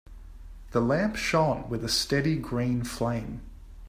The lamp shone with a steady green flame.